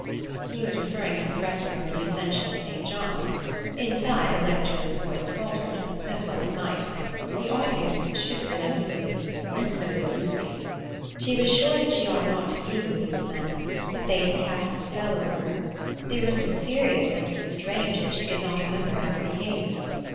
He was referring to the fresco of the "Ascension of St. John." Inside, the lecturer's voice faltered, as well it might. The audience shifted uneasily, and so did Lucy. She was sure that she ought not to be with these men; but they had cast a spell over her. They were so serious and so strange that she could not remember how to behave.